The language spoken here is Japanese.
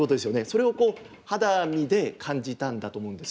それを肌身で感じたんだと思うんです。